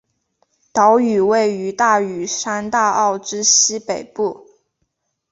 岛屿位于大屿山大澳之西北部。